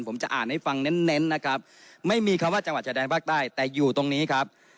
ผมจะอ่านให้ฟังเน้นเน้นนะครับไม่มีคำว่าจังหวัดชายแดนภาคใต้แต่อยู่ตรงนี้ครับ